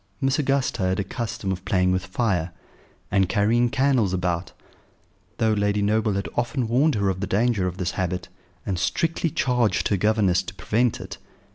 Miss Augusta had a custom of playing with fire, and carrying candles about, though Lady Noble had often warned her of the danger of this habit, and strictly charged her governess to prevent it.